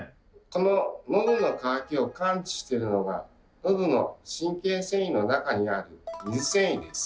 こののどの渇きを感知してるのがのどの神経線維の中にある「水線維」です。